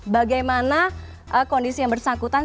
bagaimana kondisi yang bersangkutan